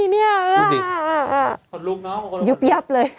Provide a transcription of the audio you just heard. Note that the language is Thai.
ดูสิยุบยับเลย